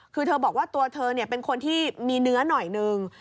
คือเธอบอกว่าตัวเธอเป็นคนที่มีเนื้อหน่อยนึง